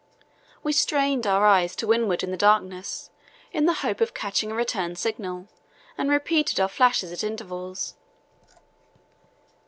We strained our eyes to windward in the darkness in the hope of catching a return signal and repeated our flashes at intervals.